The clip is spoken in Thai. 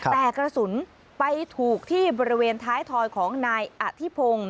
แต่กระสุนไปถูกที่บริเวณท้ายทอยของนายอธิพงศ์